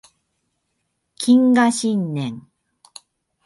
謹賀新年